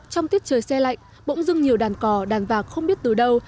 trong tiết trời xe lạnh bỗng dưng nhiều đàn cò đàn vạc không biết từ đâu